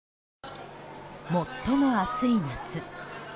最も暑い夏。